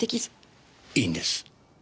いいんです。